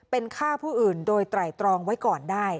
เป็นฆ่าผู้อื่นโดยไตรตรองไว้ก่อนได้